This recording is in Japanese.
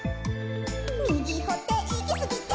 「みぎほっていきすぎて」